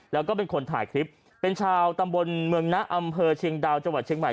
แล้วก็เป็นคนถ่ายคลิปเป็นชาวตำบลเมืองนะอำเภอเชียงดาวจังหวัดเชียงใหม่